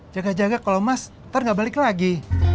jaga jaga kalau mas ntar nggak balik lagi